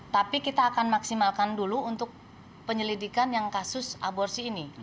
tapi kita akan maksimalkan dulu untuk penyelidikan yang kasus aborsi ini